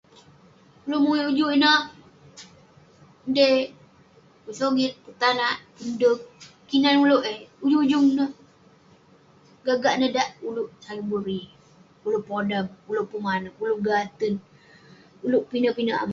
Ulouk muik ujuk ineh, dei pun sogit, pun tanak, pun deg. kinan ulouk eh, ujung ujung neh- gak gak neh dak ulouk sakit buri, ulouk podam, ulouk pun manouk, ulouk gaten, ulouk pinek am-